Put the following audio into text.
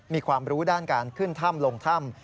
มีความรู้ด้านการขึ้นถ้ำลงถ้ำ